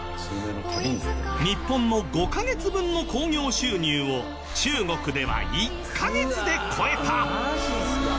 日本の５カ月分の興行収入を中国では１カ月で超えた！